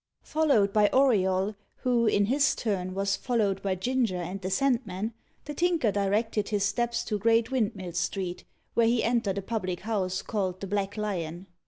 Followed by Auriol, who, in his turn, was followed by Ginger and the Sandman, the Tinker directed his steps to Great Windmill Street, where he entered a public house, called the Black Lion.